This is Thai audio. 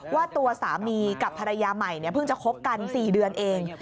ว่าตัวสามีกับภรรยาใหม่เพิ่งจะคบกัน๔เดือนเอง